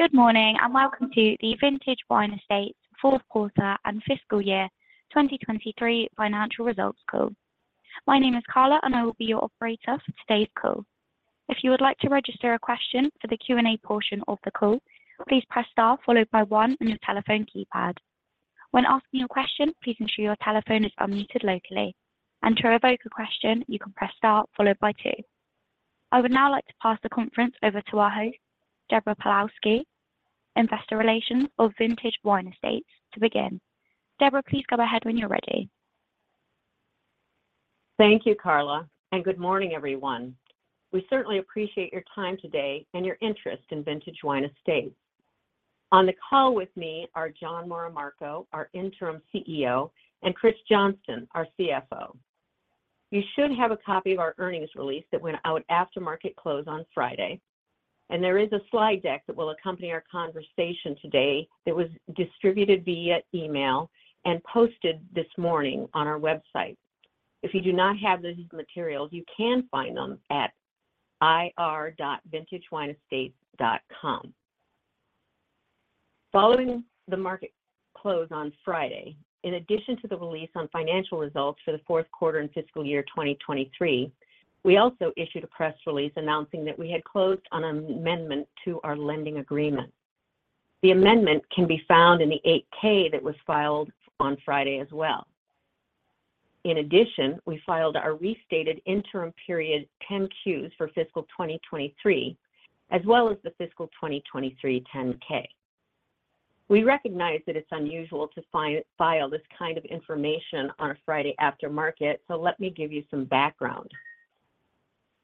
Good morning, and welcome to the Vintage Wine Estates Q4 and fiscal year 2023 financial results call. My name is Carla, and I will be your operator for today's call. If you would like to register a question for the Q&A portion of the call, please press Star followed by one on your telephone keypad. When asking a question, please ensure your telephone is unmuted locally, and to revoke a question, you can press Star followed by two. I would now like to pass the conference over to our host, Deborah Pawlowski, Investor Relations of Vintage Wine Estates, to begin. Deborah, please go ahead when you're ready. Thank you, Carla, and good morning, everyone. We certainly appreciate your time today and your interest in Vintage Wine Estates. On the call with me are Jon Moramarco, our Interim CEO, and Kris Johnston, our CFO. You should have a copy of our earnings release that went out after market close on Friday, and there is a slide deck that will accompany our conversation today that was distributed via email and posted this morning on our website. If you do not have these materials, you can find them at ir.vintagewineestates.com. Following the market close on Friday, in addition to the release on financial results for the Q4 and fiscal year 2023, we also issued a press release announcing that we had closed on an amendment to our lending agreement. The amendment can be found in the 8-K that was filed on Friday as well. In addition, we filed our restated interim period 10-Qs for fiscal 2023, as well as the fiscal 2023 10-K. We recognize that it's unusual to file this kind of information on a Friday after market, so let me give you some background.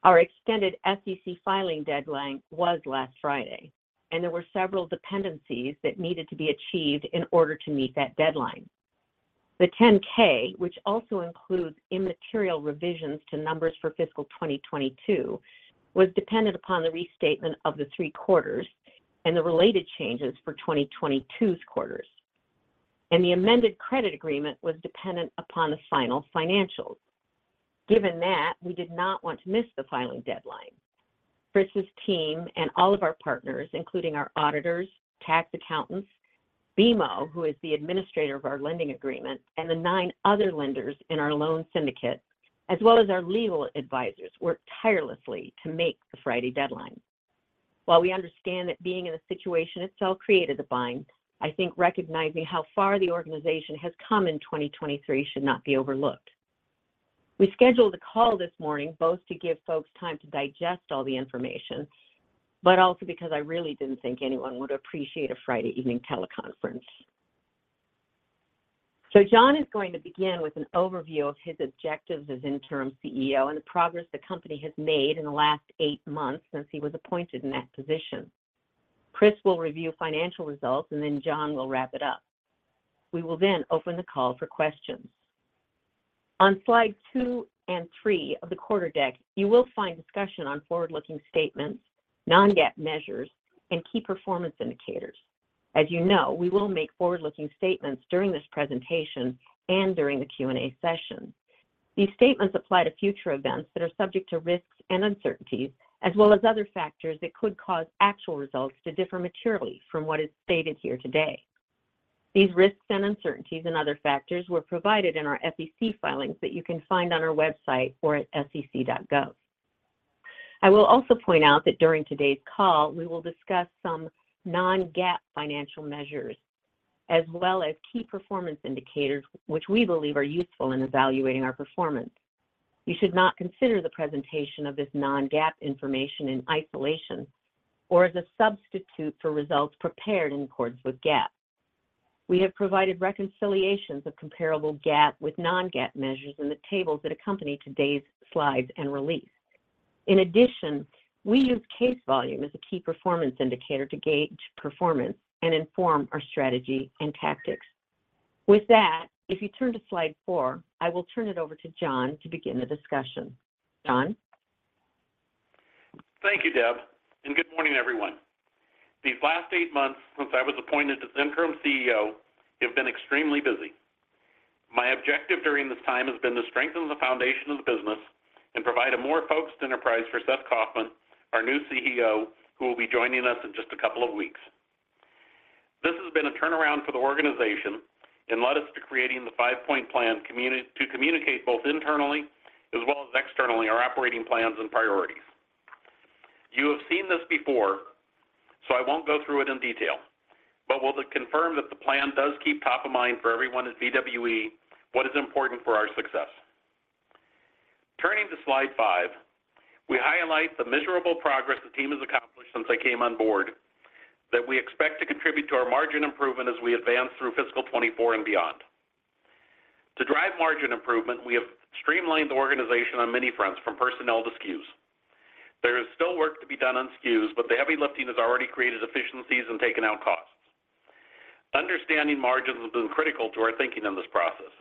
Our extended SEC filing deadline was last Friday, and there were several dependencies that needed to be achieved in order to meet that deadline. The 10-K, which also includes immaterial revisions to numbers for fiscal 2022, was dependent upon the restatement of the three quarters and the related changes for 2022's quarters. The amended credit agreement was dependent upon the final financials. Given that, we did not want to miss the filing deadline. Kris's team and all of our partners, including our auditors, tax accountants, BMO, who is the administrator of our lending agreement, and the nine other lenders in our loan syndicate, as well as our legal advisors, worked tirelessly to make the Friday deadline. While we understand that being in a situation itself created a bind, I think recognizing how far the organization has come in 2023 should not be overlooked. We scheduled a call this morning, both to give folks time to digest all the information, but also because I really didn't think anyone would appreciate a Friday evening teleconference. So Jon is going to begin with an overview of his objectives as Interim CEO and the progress the company has made in the last eight months since he was appointed in that position. Kris will review financial results, and then Jon will wrap it up. We will then open the call for questions. On slide 2 and 3 of the quarter deck, you will find discussion on forward-looking statements, non-GAAP measures, and key performance indicators. As you know, we will make forward-looking statements during this presentation and during the Q&A session. These statements apply to future events that are subject to risks and uncertainties, as well as other factors that could cause actual results to differ materially from what is stated here today. These risks and uncertainties and other factors were provided in our SEC filings that you can find on our website or at sec.gov. I will also point out that during today's call, we will discuss some non-GAAP financial measures, as well as key performance indicators, which we believe are useful in evaluating our performance. You should not consider the presentation of this non-GAAP information in isolation or as a substitute for results prepared in accordance with GAAP. We have provided reconciliations of comparable GAAP with non-GAAP measures in the tables that accompany today's slides and release. In addition, we use case volume as a key performance indicator to gauge performance and inform our strategy and tactics. With that, if you turn to slide 4, I will turn it over to Jon to begin the discussion. Jon? Thank you, Deb, and good morning, everyone. These last eight months since I was appointed as Interim CEO have been extremely busy. My objective during this time has been to strengthen the foundation of the business and provide a more focused enterprise for Seth Kaufman, our new CEO, who will be joining us in just a couple of weeks. This has been a turnaround for the organization and led us to creating the Five-Point Plan to communicate both internally as well as externally, our operating plans and priorities. You have seen this before, so I won't go through it in detail, but we'll confirm that the plan does keep top of mind for everyone at VWE what is important for our success. Turning to slide 5, we highlight the measurable progress the team has accomplished since I came on board that we expect to contribute to our margin improvement as we advance through fiscal 2024 and beyond. To drive margin improvement, we have streamlined the organization on many fronts, from personnel to SKUs. There is still work to be done on SKUs, but the heavy lifting has already created efficiencies and taken out costs. Understanding margins has been critical to our thinking in this process.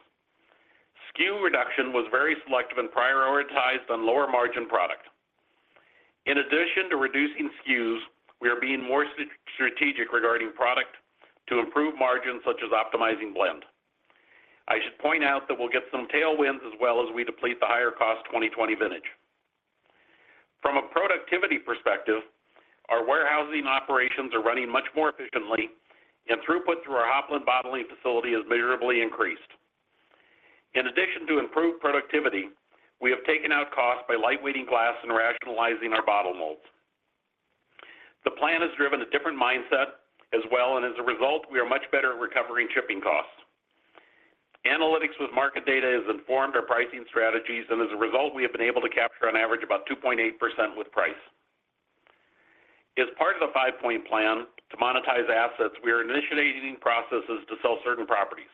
SKU reduction was very selective and prioritized on lower margin product. In addition to reducing SKUs, we are being more strategic regarding product to improve margins, such as optimizing blend.... I should point out that we'll get some tailwinds as well as we deplete the higher cost 2020 vintage. From a productivity perspective, our warehousing operations are running much more efficiently, and throughput through our Hopland bottling facility has measurably increased. In addition to improved productivity, we have taken out costs by lightweighting glass and rationalizing our bottle molds. The plan has driven a different mindset as well, and as a result, we are much better at recovering shipping costs. Analytics with market data has informed our pricing strategies, and as a result, we have been able to capture on average about 2.8% with price. As part of the Five-Point Plan to monetize assets, we are initiating processes to sell certain properties.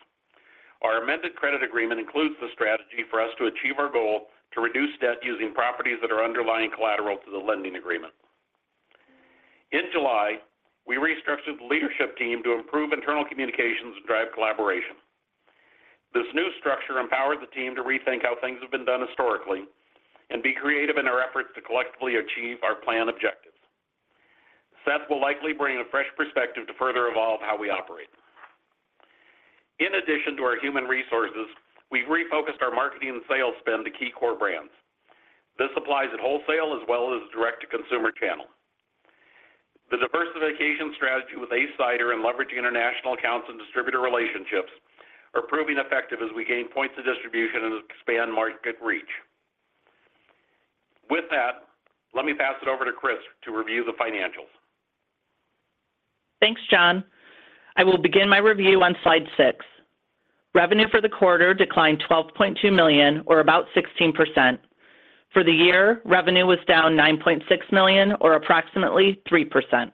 Our amended credit agreement includes the strategy for us to achieve our goal to reduce debt using properties that are underlying collateral to the lending agreement. In July, we restructured the leadership team to improve internal communications and drive collaboration. This new structure empowered the team to rethink how things have been done historically and be creative in our efforts to collectively achieve our plan objectives. Seth will likely bring a fresh perspective to further evolve how we operate. In addition to our human resources, we've refocused our marketing and sales spend to key core brands. This applies at wholesale as well as direct-to-consumer channel. The diversification strategy with ACE Cider and leveraging international accounts and distributor relationships are proving effective as we gain points of distribution and expand market reach. With that, let me pass it over to Kris to review the financials. Thanks, Jon. I will begin my review on slide 6. Revenue for the quarter declined $12.2 million, or about 16%. For the year, revenue was down $9.6 million, or approximately 3%.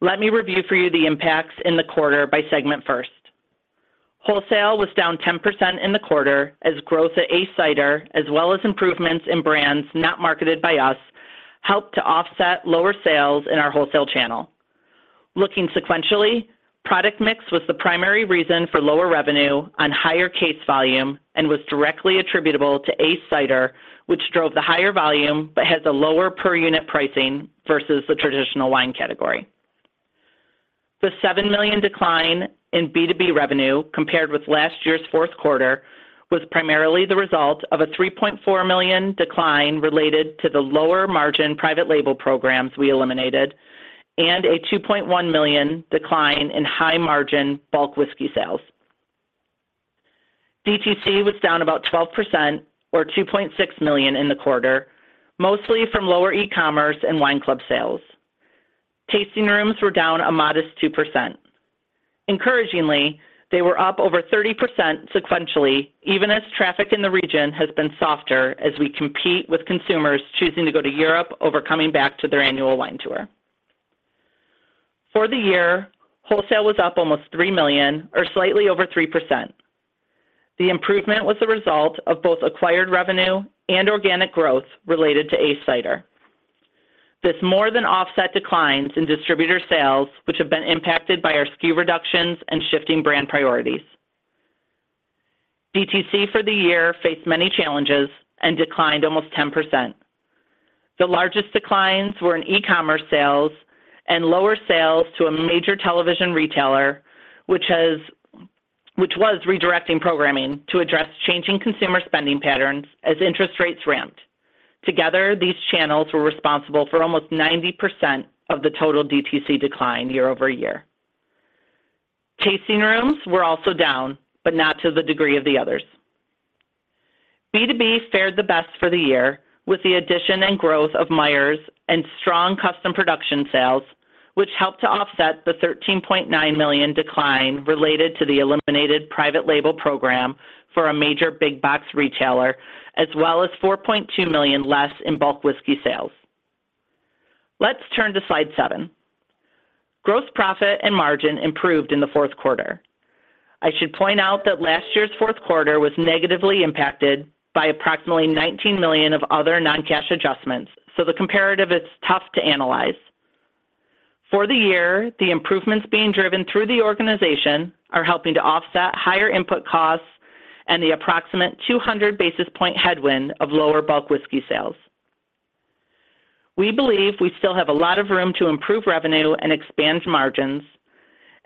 Let me review for you the impacts in the quarter by segment first. Wholesale was down 10% in the quarter as growth at ACE Cider, as well as improvements in brands not marketed by us, helped to offset lower sales in our wholesale channel. Looking sequentially, product mix was the primary reason for lower revenue on higher case volume and was directly attributable to ACE Cider, which drove the higher volume, but has a lower per unit pricing versus the traditional wine category. The $7 million decline in B2B revenue compared with last year's Q4 was primarily the result of a $3.4 million decline related to the lower-margin private label programs we eliminated, and a $2.1 million decline in high-margin bulk whiskey sales. DTC was down about 12% or $2.6 million in the quarter, mostly from lower e-commerce and wine club sales. Tasting rooms were down a modest 2%. Encouragingly, they were up over 30% sequentially, even as traffic in the region has been softer as we compete with consumers choosing to go to Europe over coming back to their annual wine tour. For the year, wholesale was up almost $3 million or slightly over 3%. The improvement was the result of both acquired revenue and organic growth related to ACE Cider. This more than offset declines in distributor sales, which have been impacted by our SKU reductions and shifting brand priorities. DTC for the year faced many challenges and declined almost 10%. The largest declines were in e-commerce sales and lower sales to a major television retailer, which was redirecting programming to address changing consumer spending patterns as interest rates ramped. Together, these channels were responsible for almost 90% of the total DTC decline year-over-year. Tasting rooms were also down, but not to the degree of the others. B2B fared the best for the year, with the addition and growth of Meier's and strong custom production sales, which helped to offset the $13.9 million decline related to the eliminated private label program for a major big box retailer, as well as $4.2 million less in bulk whiskey sales. Let's turn to slide 7. Gross profit and margin improved in the Q4. I should point out that last year's Q4 was negatively impacted by approximately $19 million of other non-cash adjustments, so the comparative is tough to analyze. For the year, the improvements being driven through the organization are helping to offset higher input costs and the approximate 200 basis point headwind of lower bulk wine sales. We believe we still have a lot of room to improve revenue and expand margins,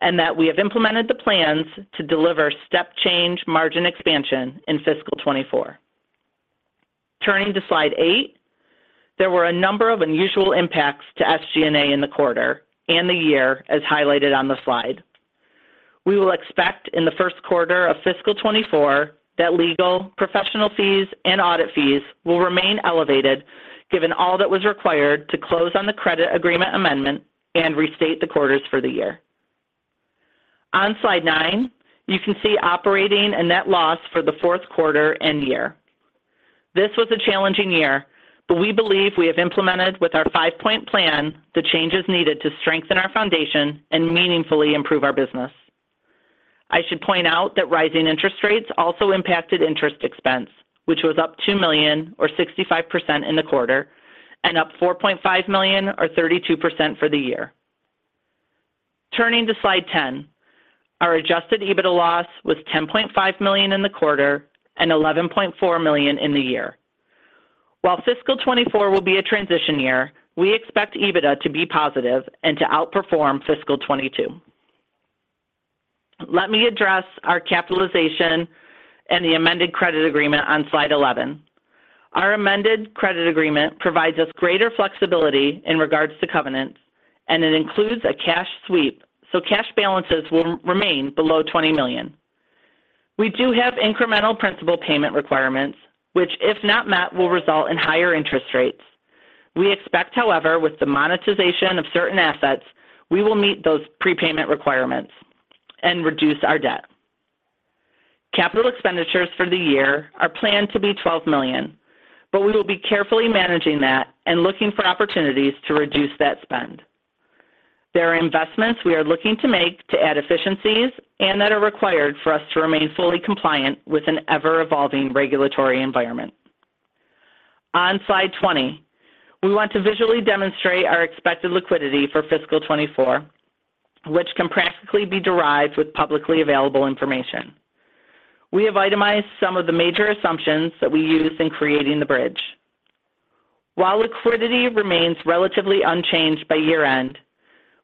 and that we have implemented the plans to deliver step change margin expansion in fiscal 2024. Turning to slide 8, there were a number of unusual impacts to SG&A in the quarter and the year, as highlighted on the slide. We will expect in the Q1 of fiscal 2024 that legal, professional fees, and audit fees will remain elevated, given all that was required to close on the credit agreement amendment and restate the quarters for the year. On slide 9, you can see operating and net loss for the Q4 and year. This was a challenging year, but we believe we have implemented with our Five-Point Plan, the changes needed to strengthen our foundation and meaningfully improve our business. I should point out that rising interest rates also impacted interest expense, which was up $2 million, or 65% in the quarter, and up $4.5 million, or 32% for the year. Turning to slide 10, our Adjusted EBITDA loss was $10.5 million in the quarter and $11.4 million in the year. While fiscal 2024 will be a transition year, we expect EBITDA to be positive and to outperform fiscal 2022. Let me address our capitalization and the amended credit agreement on slide 11. Our amended credit agreement provides us greater flexibility in regards to covenants, and it includes a cash sweep, so cash balances will remain below $20 million. We do have incremental principal payment requirements, which, if not met, will result in higher interest rates. We expect, however, with the monetization of certain assets, we will meet those prepayment requirements and reduce our debt. Capital expenditures for the year are planned to be $12 million, but we will be carefully managing that and looking for opportunities to reduce that spend. There are investments we are looking to make to add efficiencies and that are required for us to remain fully compliant with an ever-evolving regulatory environment. On slide 20, we want to visually demonstrate our expected liquidity for fiscal 2024, which can practically be derived with publicly available information. We have itemized some of the major assumptions that we used in creating the bridge. While liquidity remains relatively unchanged by year-end,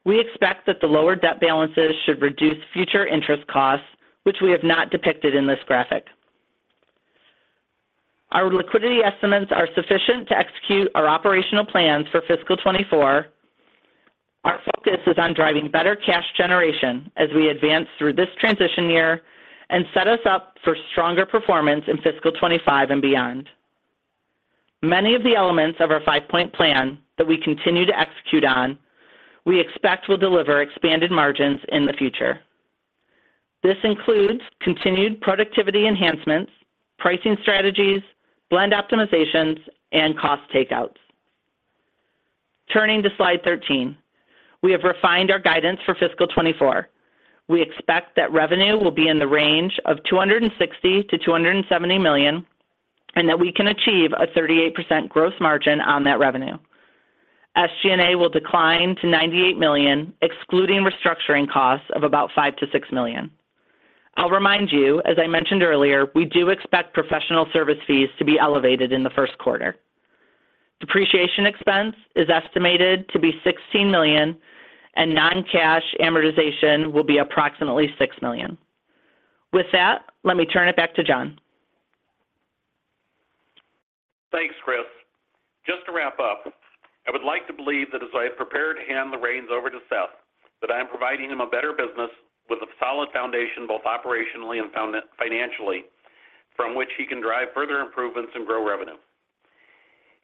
we expect that the lower debt balances should reduce future interest costs, which we have not depicted in this graphic. Our liquidity estimates are sufficient to execute our operational plans for fiscal 2024. Our focus is on driving better cash generation as we advance through this transition year and set us up for stronger performance in fiscal 2025 and beyond. Many of the elements of our Five-Point Plan that we continue to execute on, we expect will deliver expanded margins in the future. This includes continued productivity enhancements, pricing strategies, blend optimizations, and cost takeouts. Turning to slide 13, we have refined our guidance for fiscal 2024. We expect that revenue will be in the range of $260-$270 million, and that we can achieve a 38% gross margin on that revenue. SG&A will decline to $98 million, excluding restructuring costs of about $5-$6 million. I'll remind you, as I mentioned earlier, we do expect professional service fees to be elevated in the Q1. Depreciation expense is estimated to be $16 million, and non-cash amortization will be approximately $6 million. With that, let me turn it back to Jon. Thanks, Kris. Just to wrap up, I would like to believe that as I have prepared to hand the reins over to Seth, that I am providing him a better business with a solid foundation, both operationally and financially, from which he can drive further improvements and grow revenue.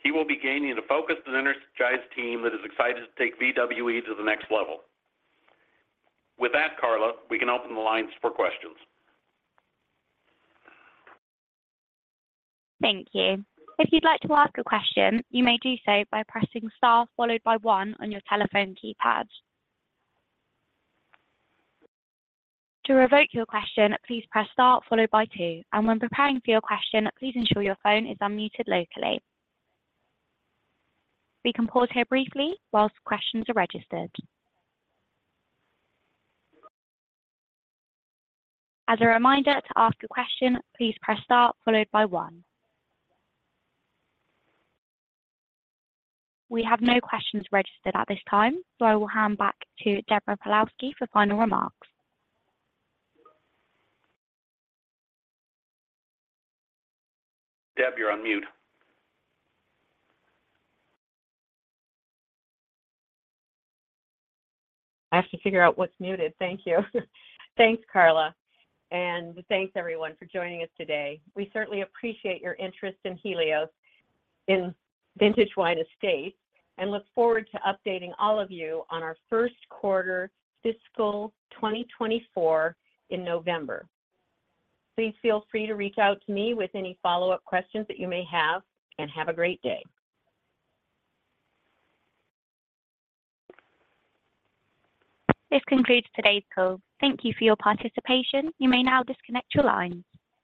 He will be gaining a focused and energized team that is excited to take VWE to the next level. With that, Carla, we can open the lines for questions. Thank you. If you'd like to ask a question, you may do so by pressing star followed by one on your telephone keypad. To revoke your question, please press star followed by two, and when preparing for your question, please ensure your phone is unmuted locally. We can pause here briefly whilst questions are registered. As a reminder, to ask a question, please press star followed by one. We have no questions registered at this time, so I will hand back to Deborah Pawlowski for final remarks. Deb, you're on mute. I have to figure out what's muted. Thank you. Thanks, Carla, and thanks everyone for joining us today. We certainly appreciate your interest in Helios, in Vintage Wine Estates, and look forward to updating all of you on our Q1 fiscal 2024 in November. Please feel free to reach out to me with any follow-up questions that you may have, and have a great day. This concludes today's call. Thank you for your participation. You may now disconnect your lines.